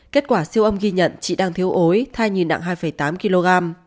kết quả siêu âm ghi nhận chị đang thiếu ối thai nhìn nặng hai tám kg